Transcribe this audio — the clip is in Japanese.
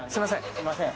すいません。